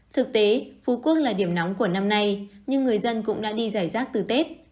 thực tế phú quốc là điểm nóng của năm nay nhưng người dân cũng đã đi giải rác từ tết